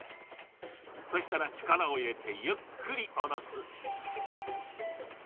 そしたらちからをいれてゆっくりおろす。